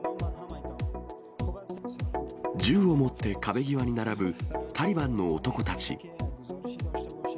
銃を持って壁際に並ぶタリバンの男たち。